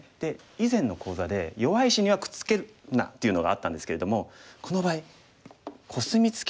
以前の講座で弱い石にはくっつけるなというのがあったんですけれどもこの場合コスミツケの場合はいいんです。